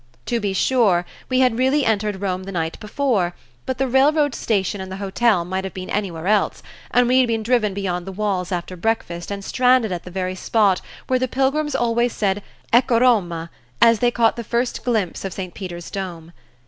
To be sure, we had really entered Rome the night before, but the railroad station and the hotel might have been anywhere else, and we had been driven beyond the walls after breakfast and stranded at the very spot where the pilgrims always said "Ecco Roma," as they caught the first glimpse of St. Peter's dome.